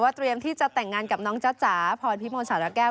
เตรียมที่จะแต่งงานกับน้องจ๊ะจ๋าพรพิมลสารแก้ว